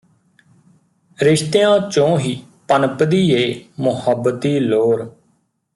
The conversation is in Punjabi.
ਰਿਸ਼ਤਿਆਂ ਚੋਂ ਹੀ ਪਨਪਦੀ ਏ ਮੁਹੱਬਤੀ ਲੋਰ